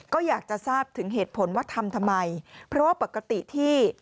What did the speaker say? ก็อยากจะทราบถึงเหตุผลว่าทำทำไมเพราะว่าปกติที่